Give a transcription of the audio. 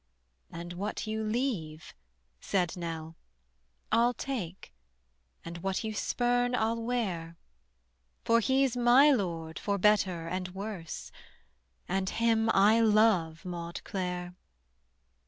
"And what you leave," said Nell, "I'll take, And what you spurn, I'll wear; For he's my lord for better and worse, And him I love, Maude Clare.